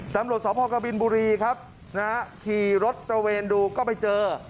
ตำรวจสพกบินบุรีครับนะฮะขี่รถตระเวนดูก็ไปเจอ